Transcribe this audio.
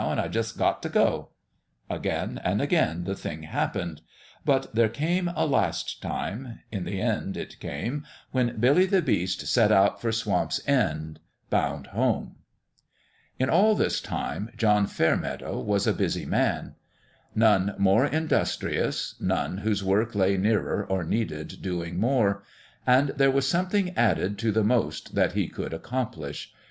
An' I jus' got t' go." Again and again the thing happened ; 124 BILLY the BEAST: STARTS HOME but there came a last time in the end it came when Billy the Beast set out for Swamp's End, bound home. In all this time John Fairmeadow was a busy man. None more industrious : none whose work lay nearer or needed doing more. And there was something added to the most that he could ac complish.